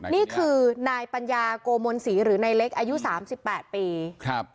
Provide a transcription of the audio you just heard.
นี่คือนายปัญญาโกมนศรีหรือนายเล็กอายุสามสิบแปดปีครับ